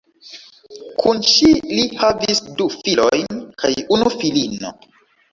Kun ŝi li havis du filojn kaj unu filino.